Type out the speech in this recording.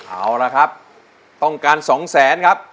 เอาล่ะครับต้องการ๒๐๐๐๐๐ครับ